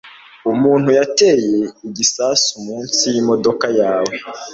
Umuntu yateye igisasu munsi yimodoka yawe.